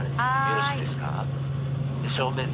よろしいですか。